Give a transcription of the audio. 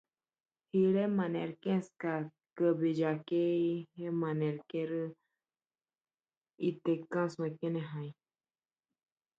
La Revolución de Terciopelo cambió totalmente las condiciones.